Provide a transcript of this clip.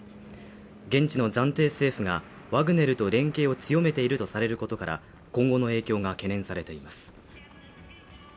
現地の暫定政府がワグネルと連携を強めているとされることから、今後の影響が懸念されています。